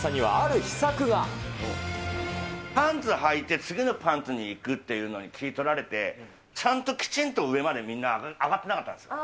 パンツはいて、次のパンツに行くっていうのに気取られて、ちゃんときちんと上までみんな上がってなかったんですよ。